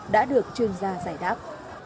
đã được chuyên gia giải đáp